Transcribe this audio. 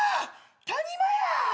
谷間や。